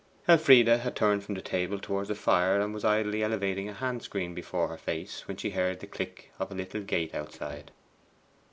Elfride had turned from the table towards the fire and was idly elevating a hand screen before her face, when she heard the click of a little gate outside.